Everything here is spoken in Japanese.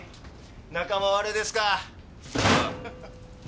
仲間割れですか。